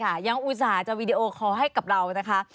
ต่างประเทศค่ะยังอุตส่าห์จะวีดีโอคอล์ให้กับเรานะคะ